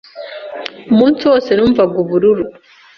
Umunsi wose numvaga ubururu.